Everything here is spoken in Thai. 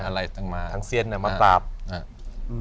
ต่างมาใครต่างมาทางเซียนเนี้ยมาปราบหรือว่า